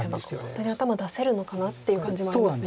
本当に頭出せるのかなっていう感じもありますね。